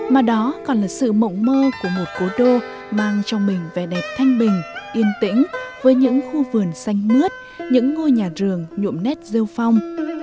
mà đó còn là sự mộng mơ của một cố đô mang trong mình vẻ đẹp thanh bình yên tĩnh với những khu vườn xanh mướt những ngôi nhà rường nhuộm nét rêu phong